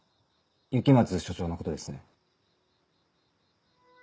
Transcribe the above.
雪松署長のことですね。